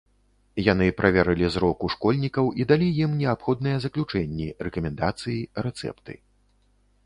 Яны праверылі зрок у школьнікаў і далі ім неабходныя заключэнні, рэкамендацыі, рэцэпты.